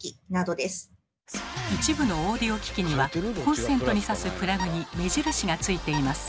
一部のオーディオ機器にはコンセントにさすプラグに目印が付いています。